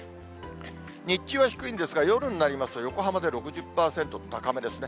日中は低いんですが、夜になりますと、横浜で６０％と高めですね。